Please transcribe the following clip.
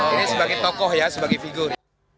ini sebagai tokoh ya sebagai figur